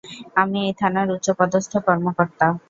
আমি এই থানার উচ্চপদস্থ কর্মকর্তা।